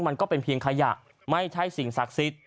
มันก็เป็นเพียงขยะไม่ใช่สิ่งศักดิ์สิทธิ์